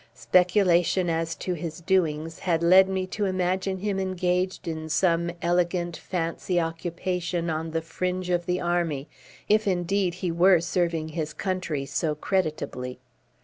Speculation as to his doings had led me to imagine him engaged in some elegant fancy occupation on the fringe of the army, if indeed he were serving his country so creditably.